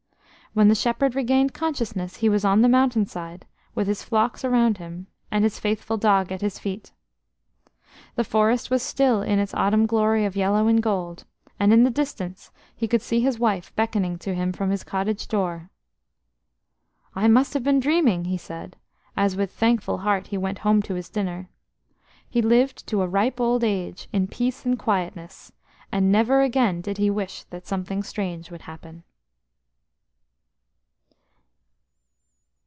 When the shepherd regained consciousness, he was on the mountain side, with his flocks around him, and his faithful dog at his feet. The forest was still in its autumn glory of yellow and gold, and in the distance he could see his wife beckoning to him from his cottage door. "I must have been dreaming," he said, as with thankful heart he went home to his dinner. He lived to a ripe old age in peace and quietness, and never again did he wish that something strange would happen.